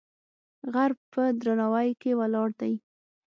غر په درناوی کې ولاړ دی.